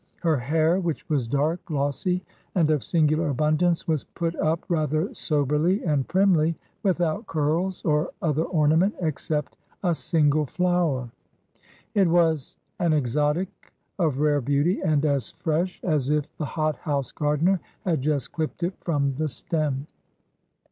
Her hair, which was dark, glossy, and of singular abimdance, was put up rather soberly and primly, without curls, or other ornament, except a single flower. It was an exotic, of rare beauty, and as fresh Digitized by VjOOQIC HEROINES OF FICTION as if the hot house gardener had just clipped it from the stem.